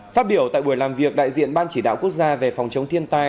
phát biểu tại buổi làm việc đại diện ban chỉ đạo quốc gia về phòng chống thiên tai